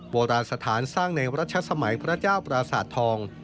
โบราณสถานสร้างในรัชสมัยพระเจ้าปราสาททอง